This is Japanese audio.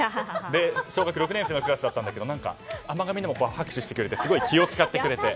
小学６年生のクラスだったんだけど甘がみでも拍手してすごい気を使ってくれて。